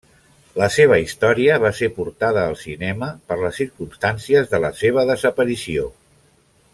La seva història va ser portada al cinema per les circumstàncies de la seva desaparició.